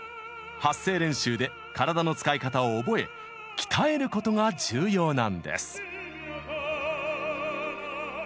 発声練習で体の使い方を覚え鍛えることが重要なんです。